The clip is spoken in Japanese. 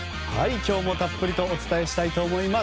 今日もたっぷりとお伝えしたいと思います。